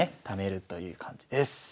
ためるという感じです。